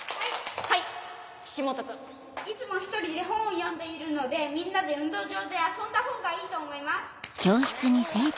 いつも１人で本を読んでいるのでみんなで運動場で遊んだほうがいいと思います